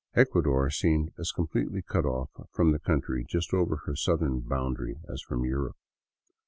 Ecuador seemed as completely cut off from the country just over her southern boundary as from Europe.